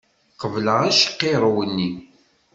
Qebleɣ acqiṛew-nni!